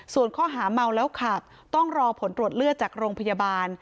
ส่วนข้อหาเมาแล้วขับต้องรอผลตรวจเลือดจากโรงพยาบาล